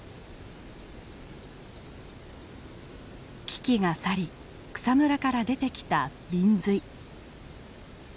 危機が去り草むらから出てきたビンズイ。